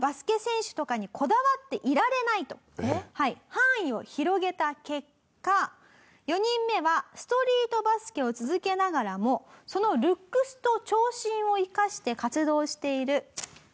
範囲を広げた結果４人目はストリートバスケを続けながらもそのルックスと長身を生かして活動をしている。